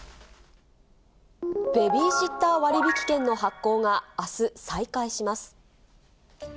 ベビーシッター割引券の発行があす、再開します。